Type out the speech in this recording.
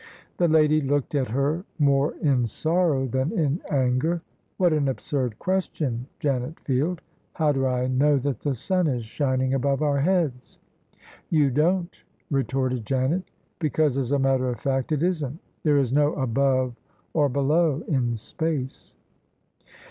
The lady looked at her more In sorrow than in angen " What an absurd question, Janet Field I How do I know that the sun is shining above our heads? " "You don't," retorted Janet: "because, as a matter of fact, it isn't. There is no above or below in space."